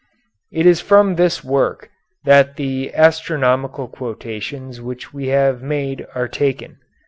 It is from this work that the astronomical quotations which we have made are taken.